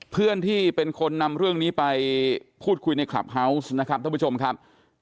เพื่อนที่เป็นคนนำเรื่องนี้ไปพูดคุยในคลับเฮาวส์นะครับท่านผู้ชมครับ